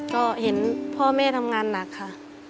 ก็เห็นพ่อแม่ทำงานหนักค่ะ